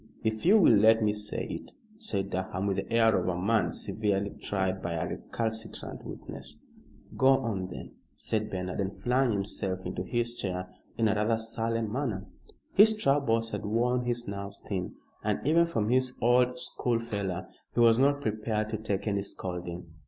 "If you will let me say it," said Durham, with the air of a man severely tried by a recalcitrant witness. "Go on, then," said Bernard, and flung himself into his chair in a rather sullen manner. His troubles had worn his nerves thin, and even from his old schoolfellow he was not prepared to take any scolding.